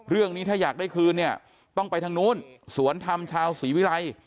เรื่องนี้ถ้าอยากได้คืนเนี่ยต้องไปทางนู้นสวนธรรมชาวศรีวิรัย